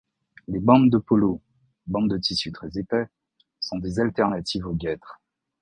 Les bandes de polo, bandes de tissu très épais, sont des alternatives aux guêtres.